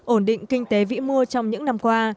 ổn định kinh tế vĩ mô trong những năm qua